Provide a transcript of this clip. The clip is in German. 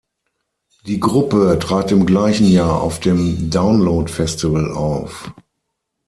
Die Gruppe trat im gleichen Jahr auf dem Download-Festival auf.